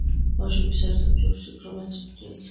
ბავშვები საერთოდ ბევრს ფიქრობენ სიკვდილზე